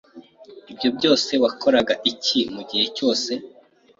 Ibyo byose wakoraga iki mugihe cyose?